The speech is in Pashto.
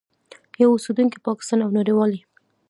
یو اوسېدونکی پاکستان او نړیوالي